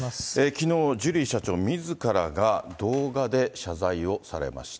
きのう、ジュリー社長みずからが動画で謝罪をされました。